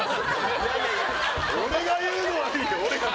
俺が言うのはいいよ。